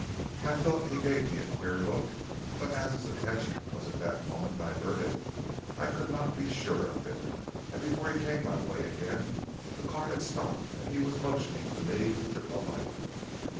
I thought he gave me a queer look, but as his attention was at that moment diverted, I could not be sure of it, and before he came my way again the car had stopped and he was motioning to me to alight.